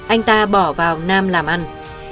anh ta bỏ vào nam làm ăn